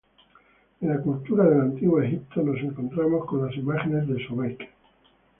En la cultura del antiguo Egipto nos encontramos con las imágenes de Sobek.